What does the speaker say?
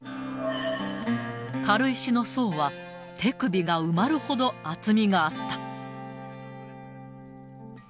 軽石の層は、手首が埋まるほど厚みがあった。